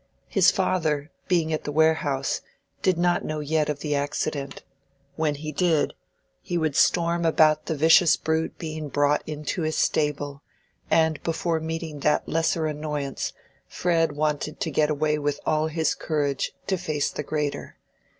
His father, being at the warehouse, did not yet know of the accident: when he did, he would storm about the vicious brute being brought into his stable; and before meeting that lesser annoyance Fred wanted to get away with all his courage to face the greater.